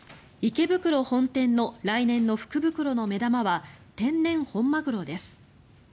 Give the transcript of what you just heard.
池袋本店の来年の福袋の目玉は天然本マグロです。